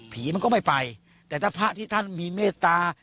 มันก็ไม่ไปแต่ถ้าพระที่ท่านมีเมตตา